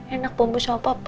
enak bubuk sama papa